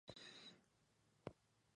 Benešov tiene una larga tradición minera.